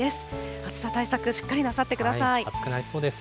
暑さ対策、しっかりなさってくだ暑くなりそうです。